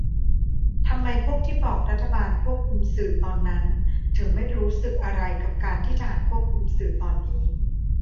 ทำไมพวกที่บอก รัฐบาลควบคุมสื่อตอนนั้น ถึงไม่รู้สึกอะไรกับการที่ทหารควบคุมสื่อตอนนี้ ?